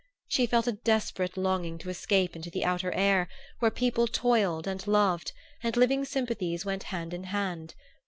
She felt a desperate longing to escape into the outer air, where people toiled and loved, and living sympathies went hand in hand.